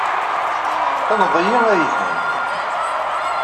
Teqqneḍ-iyi ad iyi-thenniḍ.